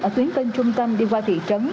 ở tuyến kênh trung tâm đi qua thị trấn